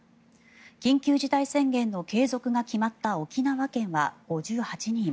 緊急事態宣言の継続が決まった沖縄県は５８人。